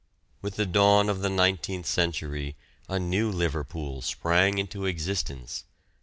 With the dawn of the nineteenth century a new Liverpool sprang into existence.